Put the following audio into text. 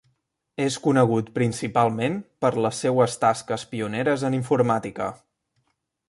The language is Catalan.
És conegut principalment per les seues tasques pioneres en informàtica.